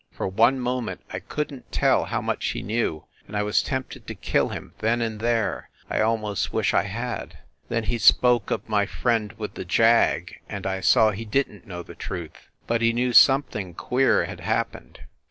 For one moment I couldn t tell how much he knew, and I was tempted to kill him then and there ... I almost wish I had !... Then he spoke of "my friend with the jag," and I saw he didn t know the truth. But he knew something queer had happened.